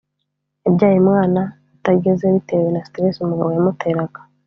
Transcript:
yabyaye umwana utageze bitewe na stress umugabo yamuteraga